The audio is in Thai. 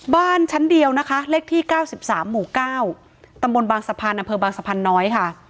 บ้านชั้นเดียวนะคะเลขที่๙๓หมู่๙ตำบลบางสะพานอำเภอบางสะพานน้อยค่ะ